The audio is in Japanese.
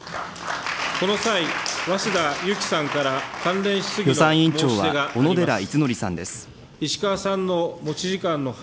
この際、早稲田ゆきさんから、関連質疑の申し出があります。